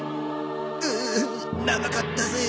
うう長かったぜ。